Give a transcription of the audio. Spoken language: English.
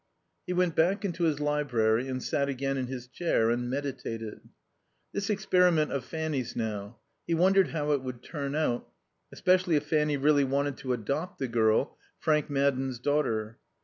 He went back into his library and sat again in his chair and meditated: This experiment of Fanny's now; he wondered how it would turn out, especially if Fanny really wanted to adopt the girl, Frank Madden's daughter.